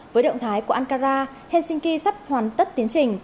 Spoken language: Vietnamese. với động thái của ankara helsinki sắp hoàn tất tiến trình